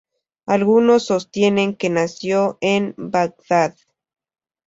Algunos sostienen que nació en Bagdad.